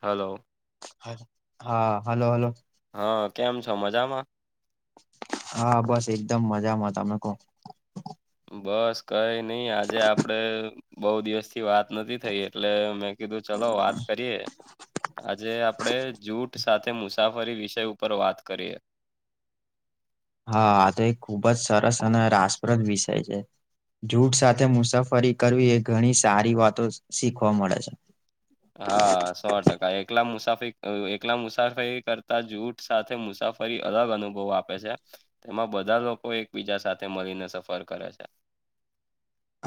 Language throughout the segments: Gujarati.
હાલો. હા હાલો હાલો. હા કેમ છો મજામાં? હા બસ એકદમ મજામાં, તમે કહો? બસ કઈ નઈ આજે આપડે બહુ દિવસ થી વાત નથી થઈ એટલે મેં કીધું ચલો વાત કરીએ. આજે આપડે જૂઠ સાથે મુસાફરી વિષય ઉપર વાત કરીએ. હા આ તો એક ખુબ જ સરસ અને રાસપ્રદ વિષય છે. જૂઠ સાથે મુસાફરી કરવી એ ઘણી સારી વાતો શીખવા મળે છે. હા સો ટકા એકલા મુસાફરી એકલા મુસાફરી કરતા જૂઠ સાથે મુસાફરી અલગ અનુભવ આપે છે. તેમાં બધા લોકો એકબીજા સાથે મળીને સફર કરે છે.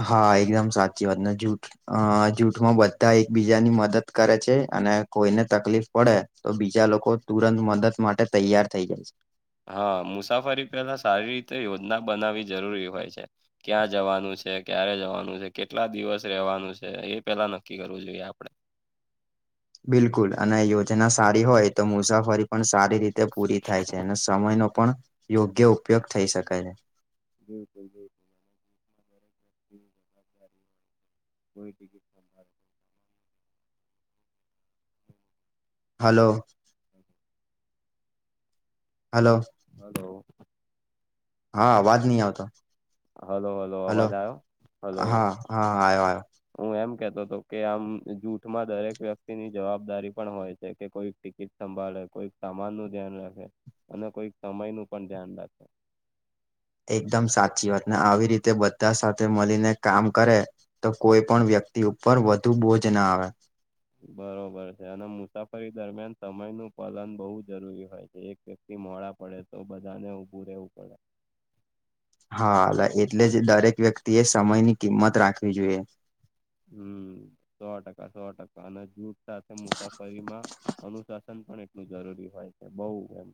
હા એકદમ સાચી વાત જૂઠ અ જૂઠમાં બધા એકબીજાની મદદ કરે છે અને કોઈને તકલીફ પડે તો બીજા લોકો તુરંત મદદ માટે તૈયાર થઈ જાય છે. હા મુસાફરી પહેલા સારી રીતે યોજના બનાવવી જરૂરી હોય છે. ક્યાં જવાનું છે, ક્યારે જવાનું છે, કેટલા દિવસ રહેવાનું છે એ પેલા નક્કી કરવું જોઈએ આપડે. બિલકુલ અને યોજના સારી હોય તો મુસાફરી પણ સારી રીત તે પૂરી થાય છે અને સમયનો પણ યોગ્ય ઉપયોગ થઈ શકે છે. [inaudible] જવાબદારી હાલો. હમ હાલો. હાલો. હા અવાજ નહી આવતા. હાલો હાલો અવાજ આવ્યો? હાલો. હા હા આવ્યો આવ્યો હું એમ કેતો હતો કે આમ જૂઠમાં દરેક વ્યક્તિની જવાબદારી પણ હોય છે કે કોઈ કીટ સંભાળે, કોઈક સામાન નું ધ્યાન રાખે અને કોઈક સમય નું પણ ધ્યાન રાખે. એકદમ સાચી વાત ને આવી રીતે બધા સાથે મળીને કામ કરે તો કોઈ પણ વ્યક્તિ ઉપર વધુ બોજ ના આવે. બરોબર છે અને મુસાફરી દરમિયાન સમયનું પાલન બહુ જરૂરી હોય છે. એક ભી મોડા પડે તો બધાને ઊભું રહેેવું પડે. હા એટલે જ દરેક વ્યક્તિ એ સમય ની કિંમત રાખવી જોઈએ. હમ્મ, સો ટકા સો ટકા અને જૂથ સાથે મુસાફરીમાં અનુશાસન પણ એટલું જરૂરી હોય છે બઉ એમ.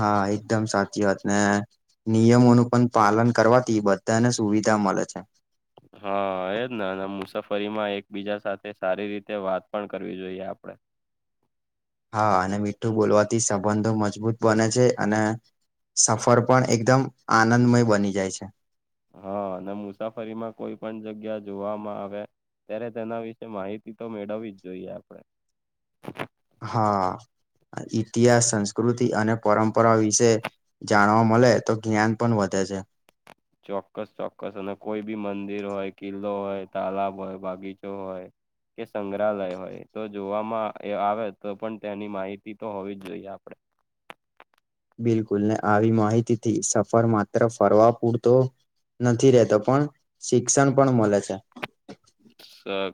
હા એકદમ સાચી વાત ને નિયમોનું પણ પાલન કરવાથી બધાને સુવિધા મળે છે. હા એજ ને મુસાફરીમાં એકબીજા સાથે સારી રીતે વાત પણ કરવી જોઈએ આપડે. હા અને મીઠું બોલવાથી સંબંધો મજબૂત બને છે અને સફર પણ એકદમ આનંદમય બની જાય છે. હા અને મુસાફરીમાં કોઈ પણ જગ્યા જોવામાં આવે. ત્યારે તેના વિશે માહિતી તો મેળવવી જ જોઈએ આપણે. હા ઇતિહાસ, સંસ્કૃતિ અને પરંપરા વિશે જાણવા મળે તો જ્ઞાન પણ વધે છે. ચોક્કસ ચોક્કસ અને કોઈ બી મંદિર હોય, કિલ્લો હોય, તાલાબ હોય, બગીચો હોય કે સંગ્રહાલય હોય, તો જોવામાં આવે તો પણ તેની માહિતી તો હોવી જ જોઈએ આપડે. બિલકુલ ને આવી માહિતી થી સફર માત્ર ફરવા પૂરતો નથી રેતો પણ શિક્ષણ પણ મળે છે.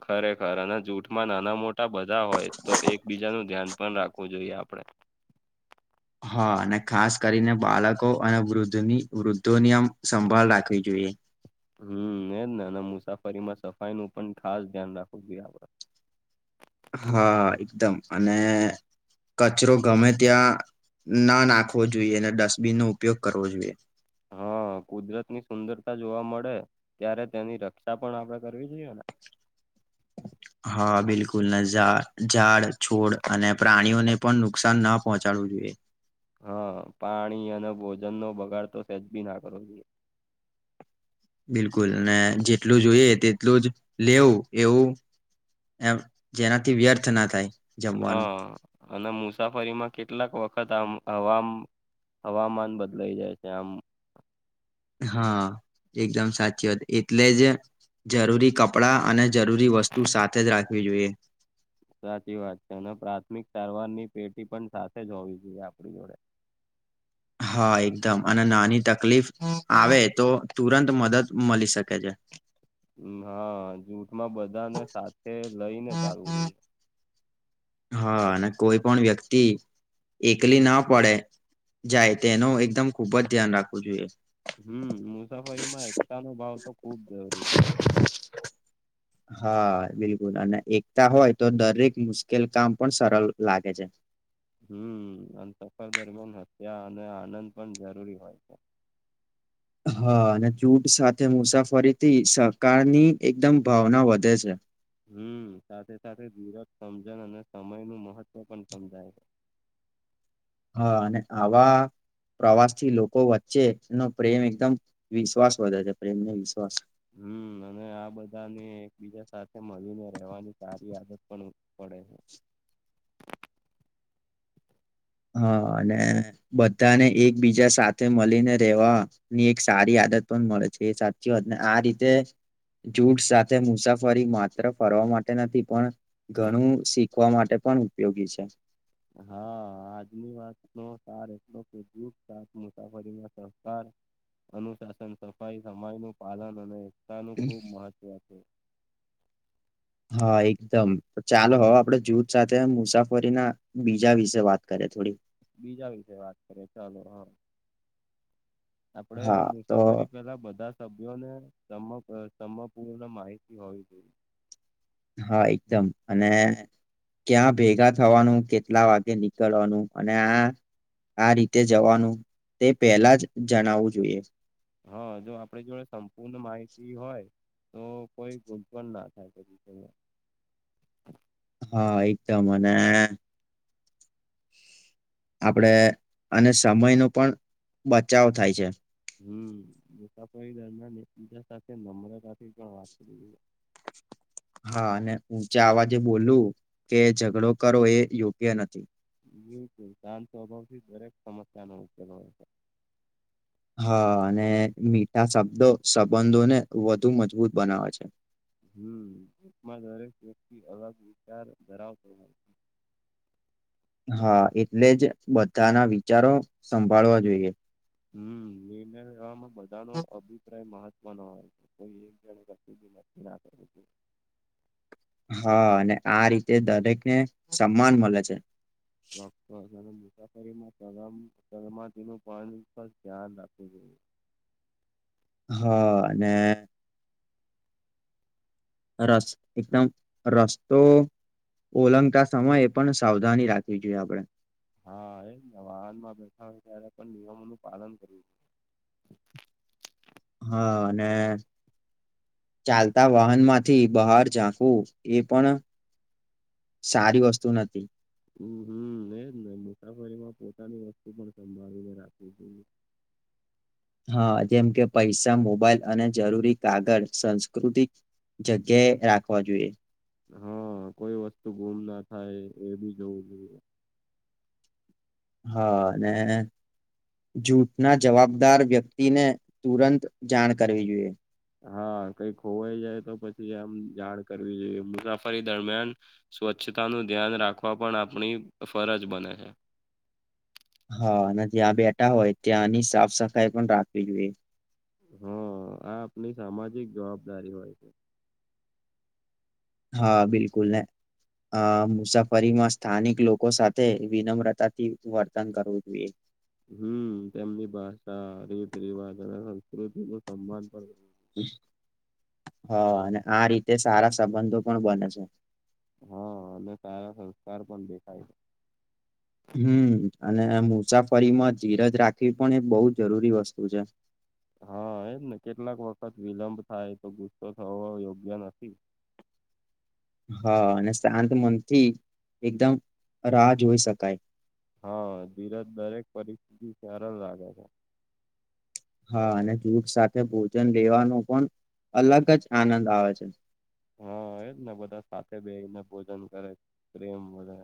ખરેખર અને જૂઠમાં નાના મોટા બધા હોય તો એકબીજાનું ધ્યાન પણ રાખવું જોઈએ આપડે. હા અને ખાસ કરીને બાળકો અને વૃદ્ધની વૃદ્ધોની આમ સંભાળ રાખવી જોઈએ. હમ્મ એજ ને એ મુસાફરી માં સફાઈ નું પણ ખાસ ધ્યાન રાખવું જોઈએ આપડે. હા એકદમ અને કચરો ગમે ત્યાં ના નાખવો જોઈએ, અને ડસ્ટબિન નો ઉપયોગ કરવો જોઈએ. હા કુદરત ની સુંદરતા જોવા મળે, ત્યારે તેની રક્ષા પણ આપડે કરવી જોઈએ ને [inaudible] હા બિલકુલને ઝાડ, છોડ, અને, પ્રાણીઓને પણ નુકસાન ના પહોંચાડવું જોઈએ. હા પાણી અને ભોજન નો બગાડ તો સેજ બી ના કરો જોઈએ. બિલકુલ અને જેટલું જોઈએ તેટલું જ લેવું એવું... એમ જેનાથી વ્યર્થ ના થાય. જમવાનું હા અને મુસાફરીમાં કેટલાક વખત આમ [unintelligible] હવામાન બદલાઈ જાય [unintelligible] આમ હા એકદમ સાચી વાત એટલે જ... જરૂરી કપડાં અને જરૂરી વસ્તુ સાથે જ રાખવી જોઈએ. સાચી વાત છે, અને પ્રાથમિક સારવાર ની પેટી પણ સાથે જ હોવી જોઈએ આપણી જોડે. હા એકદમ અને નાની તકલીફ આવે તો તુરંત મદદ મળી શકે છે. હા જૂથ માં બધાને સાથે લઈને ચાલવું જોઈ. હા અને કોઈ પણ વ્યક્તિ એકલી ના પડે... જાય તેનો એકદમ ખુબ જ ધ્યાન રાખવું જોઈએ. હમ્મ મુસાફરીમાં એકતા નો ભાવ તો ખુબ જરૂરી હોય છે. હા બિલકુલ અને એકતા હોય તો દરેક મુશ્કેલ કામ પણ સરળ લાગે છે. હમ્મ અને સફર દરમિયાન ત્યાં અને આનંદ પણ જરૂરી હોય છે. હા અને જૂથ સાથે મુસાફરીથી સરકારની એકદમ ભાવના વધે છે. હમ્મ સાથે સાથે વિરજ સમજણ અને સમય નું મહત્વ પણ સમજાય છે. હા અને આવા... પ્રવાસ થી લોકો વચ્ચે એનો પ્રેમ એકદમ વિશ્વાસ વધે છે, પ્રેમને વિશ્વાસ હમ્મ અને આ બધાને એકબીજા સાથે મળીને રહેવાની સારી આદત પણ... પડે છે. હા અને બધાને એકબીજા સાથે મળીને રેવા... ની એક સારી આદત પણ મળે છે, એ સાચી વાતને આ રીતે... જૂથ સાથે મુસાફરી માત્ર ફરવા માટે નથી પણ... ઘણું શીખવા માટે પણ ઉપયોગી છે. હા આજની વાતનો સાર એટલો કે સા મુસાફરી ના સકાર અનુશાસન સફાઈ સમય નું પાલન અને એકતા નું ખુબ મહત્વ છે. હા એકદમ ચાલો હવ હા આપડે જૂથ... સાથે મુસાફરી ના બીજા વિશે વાત કરે થોડી... બીજા વિશે વાત કરીએ ચાલો હા આપડે હા તો મુસાફરી પેલા બધા જ... સભ્યોને સંપૂર્ણ માહિતી હોવી જોઈએ. હા એકદમ અને... ક્યાં ભેગા થવાનું કેટલા વાગે નીકળવાનું અને આ... આ રીતે જવાનું તે પેલા જ જણાવવું જોઈએ. હા જો આપડ જોડે સંપૂર્ણ માહિતી હોય તો કોઈ ગુ પણ ના થાય પછી હા એકદમ અને અને આપડે અને સમય ન પણ બચાવ થાય છે. હમતાાપ દરમિયાન એક બીજા સાથે નમ્રતાથી પણ વાત કરી હા અને ઊચે આવા જે બોલું કે ઝઘડો કરો એ યોગ્ય નથી-' બિલકુલ શાંતંતો અભાવથી દરેક સમસ્યા ન ઉર આવે છે. હા અને મીઠા શબ્દો સંબંધોને વધુ મજબૂત બનાવે છે. હમમાં દરેક વ્યક્તિ અલગ વિચાર ધરાવતો હોય છે. હા એટલે જ બધાના વિચારો સંભાળવા જોઈએ હમ નિર્ણય લેમાં બધાનો અભિપ્રાય મહ મનો વાય છે કોઈ જા ના કરવુ જોઈએ. હા અને આ રીતે દરેકને સન્માન મળે છે. તો હશે અને મુસાફરીમાં મલમ [inaudible] નું પણ ધ્યાન રાખવું જોઈએ. હ અને રસ એકદમ રાસ્તો ઓલંગતા સમય એ પણ સાવધાની રાખવી જોઈએ આપડે. હા એમ ને વાહન માં બેઠા હોય ત્યારે પણ નિયમોનું પાલન કરવું જોઈએ. હા અને ચાલતા વાહન માંથી બહાર ઝાંકવું એ પણ સારી વસ્તુ નથી. હમ હમ એજ ને મુસાફરી માં પોતાની વસ્તુ પણ સંભાળીને રાખવી જોઈએ. હા જેમ કે પૈસા મોબાઈલ અને જરૂરી કાગળ સંસ્કૃતિક જગ્યાએ રાખવા જોઈએ. હા કોઈ વસ્તુ ગુમ ના થાય એ બી જોવું જોઈએ. હા અને જૂથના જવાબદાર વ્યક્તિને તુરંત જાણ કરવી જોઈએ. હા કઈક હોોવાઈ જાય તો પછી આમ જાણ કરવી જોઈએ. મુસાફરી દરમિયાન સ્વચ્છતા નું ધ્યાન રાખવા પણ આપણી ફરજ બને છે. હા અને જ્યાં બેઠા હોય ત્યાંની સાફ સફાઈ પણ રાખવી જોઈએ. હા આપ આપની સામાજિક જવાબદારી હોય છે. હા બિલકુલ ને અ મુસાફરીમાં સ્થાનિક લોકો સાથે વિનમ્રતા થી વર્તન કરવું જોઈએ. હમ તેમની ભાષા, રીતિ રિવાજ અને સંસ્કૃતિ નું સન્માન પણ કરવુ હા અને આ રીતે સારા સંબંધો પણ બને છે. હા અને સારા સંસ્કાર પણ દેખાય છે. હમ અને મુસાફરીમાં ધીરજ રાખવી પણ એ બહ જરૂરી વસ્તુ છે. હા એમ ને કેટલાક વખત વિલંબ થાય તો, ગુસ્સો થવો યોગ્ય નથી. હા અને શાંત મનથી એકદમ રાહ જોઈ શકાય. હા ધીરજ દરેક પરિસ્થિતિ સરાળ લાગે છે. હા અને જૂથ સાથે ભોજન લેવાનો પણ અલગ જ આનંદ આવે છે. હા એ જ ને બધા સાથે બેને ભોજન કરે પ્રેમ વધે.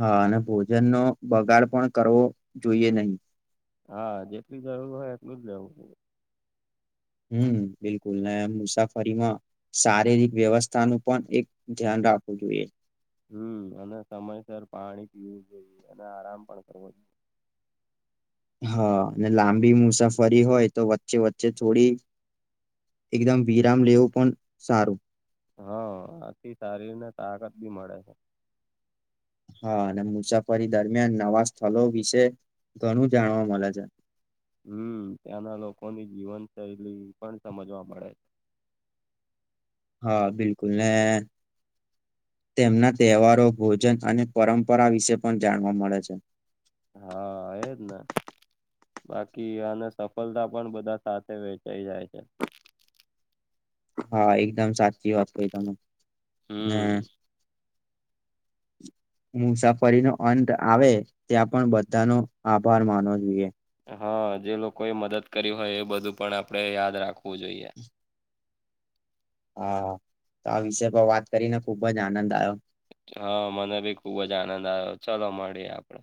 હા અને ભોજન નો બગાડ પણ કરવો જોઈએ નહી. હા જેટલી જરૂર હોય એટલું જ લેવું પડે. હમ બિલકુલ મુસાફરીમાં શારીરિક વ્યવસ્થા નું પણ એક ધ્યાન રાખવું જોઈએ. હમ અને સમયસર પાણી પીવું જોઈએ, અને આરામ પણ કરવો જોઈએ. હા અને લાંબી મુસાફરી હોય તો વચ્ચે વચ્ચે થોડી એકદમ વિરામ લેવું પણ સારું. હા આથી શારીર ને તાકાત બી મળે છે. હા અને મુસાફરી દરમિયાન નવા સ્થળ વિશે ઘણું જાણવા મળે છે. હમ ત્યાંના લોકોની જીવનશૈલી પણ સમજવા પડે છે. હા બિલકુલ ને તેમના તહેવારો, ભોજન અને પરંપરા વિશે પણ જાણવા મળે છે. હા એ જ ને! બાકી અને સફળતા પણ બધા સાથે વેચાઈ જાય છે. હા એકદમ સાચી વાત કઈ તમે, હંમ હમ [inaudible] [unintelligible] મુસાફરીનો અંત આવે ત્યાં પણ બધાનો આભાર માનવો જોઈએ. હા જે લોકોએ મદદ કરી હોય એ બધું પણ આપણેે યાદ રાખવું જોઈએ. હા હા તો આ વિષય પર વાત કરીને ખુબ જ આનંદ આવ્યો. હા મને બી ખુબ જ આનંદ આવ્યો ચલો મળીએ આપણે.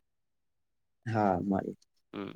હા મારી હમ.